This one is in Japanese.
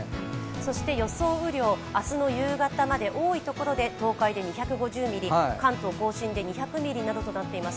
そして予想雨量、明日の夕方まで多いところで東海で２５０ミリ、関東甲信で２００みりなどとなっています。